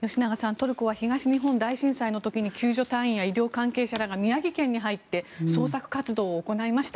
トルコは東日本大震災の時に救助隊員や医療関係者らが宮城県に入って捜索活動を行いました。